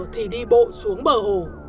thì đi bộ xuống bờ hồ